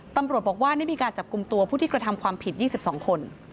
ตำรวจบอกว่าได้มีการจับกลุ่มตัวผู้ที่กระทำความผิด๒๒คน